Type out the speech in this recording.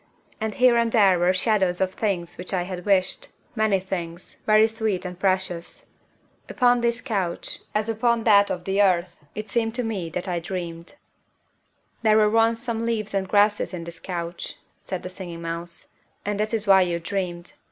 And here and there were shadows of things which I had wished many things, very sweet and precious. Upon this couch, as upon that of the earth, it seemed to me that I dreamed.... "There were once some leaves and grasses in this couch," said the Singing Mouse, "and that is why you dreamed.